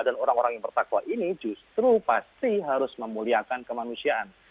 dan orang orang yang bertakwa ini justru pasti harus memuliakan kemanusiaan